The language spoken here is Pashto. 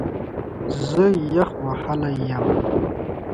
زه یخ وهلی یم